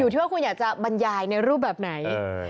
ที่ว่าคุณอยากจะบรรยายในรูปแบบไหน